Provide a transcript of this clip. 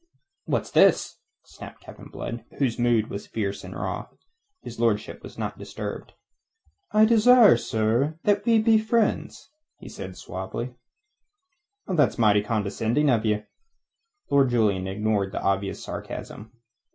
"What's this?" snapped Blood, whose mood was fierce and raw. His lordship was not disturbed. "I desire, sir, that we be friends," said he suavely. "That's mighty condescending of you!" Lord Julian ignored the obvious sarcasm.